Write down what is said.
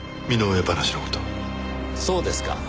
そうですか。